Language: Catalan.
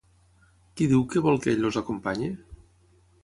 Qui diu que vol que ell els acompanyi?